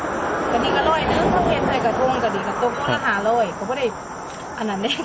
ต้องเท่าไหร่กับตรงแต่เดี๋ยวกับตรงก็จะหาร้อยก็ไม่ได้อัน